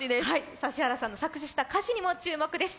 指原さんの作詞した歌詞にも注目です。